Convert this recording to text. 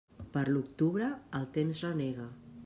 Per l'octubre, el temps renega.